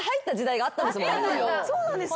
そうなんですか？